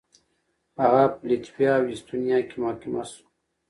هغه په لتويا او اېسټونيا کې محاکمه شو.